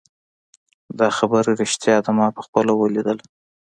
دا خبره ریښتیا ده ما پخپله ولیدله